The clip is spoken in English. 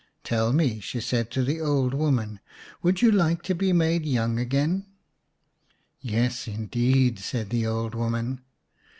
" Tell me/' she said to the old woman, " would you like to be made young again ?"" Yes, indeed," said the old woman.